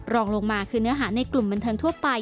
รองลงมาคือเนื้อหาในกลุ่มบันเทิงทั่วไป